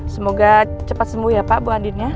semoga cepat sembuh ya pak bu andina